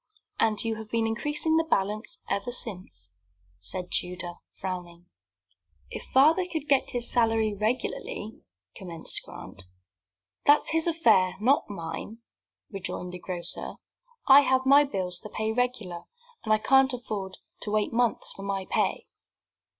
"And you have been increasing the balance ever since," said Tudor, frowning. "If father could get his salary regularly " commenced Grant. "That's his affair, not mine," rejoined the grocer. "I have to pay my bills regular, and I can't afford to wait months for my pay."